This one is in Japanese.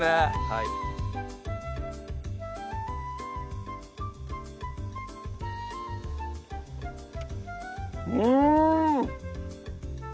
はいうん！